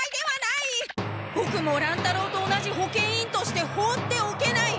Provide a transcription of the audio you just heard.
ボクも乱太郎と同じ保健委員として放っておけない！